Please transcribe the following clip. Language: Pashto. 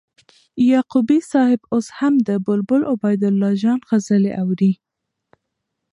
یعقوبی صاحب اوس هم د بلبل عبیدالله جان غزلي اوري